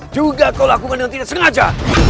juga kau lakukan yang tidak sengaja